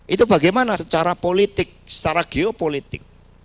itu bagaimana secara politik secara geopolitik